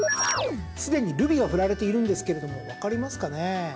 すでにルビが振られているんですけどもわかりますかね。